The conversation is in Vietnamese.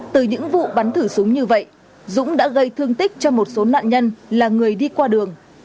từ những vụ bắn thử súng như vậy dũng đã gây thương tích cho một số nạn nhân là người đi qua đường